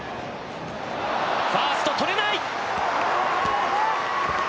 ファースト捕れない！